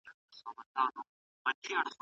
د دې اولس د ورځي زخم په کلو جوړیږي